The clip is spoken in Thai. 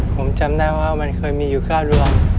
ผมจำได้ว่ามันเคยมีอยู่๙ดวง